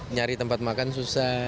nyari tempat makan susah